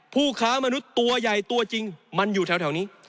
ผู้ค้ามนุษย์ตัวใหญ่ตัวจริงมันอยู่แถวนี้